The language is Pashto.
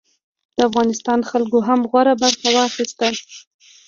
د افغانستان خلکو هم غوره برخه واخیسته.